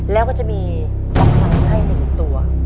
แล้วก็จะมีละครั้งให้๑ตัว